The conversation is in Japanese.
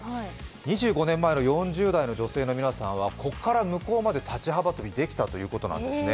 ２５年前の４０代の女性の皆さんはここから向こうまで立ち幅跳びできたということなんですね。